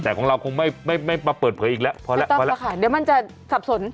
แต่ของเราคงไม่ไม่มาเปิดเผยอีกแล้วพอแล้วพอแล้วค่ะเดี๋ยวมันจะสับสน